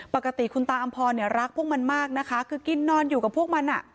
ปกติคุณตาอำพรเนี่ยรักพวกมันมากนะคะคือกินนอนอยู่กับพวกมัน